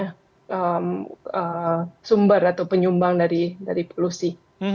jadi kita harus mengambil sumber atau penyumbang dari polusi